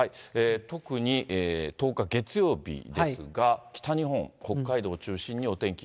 特に１０日月曜日ですが、北日本、北海道を中心にお天気